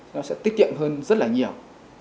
nó sẽ tiết kiệm hơn rất là nhiều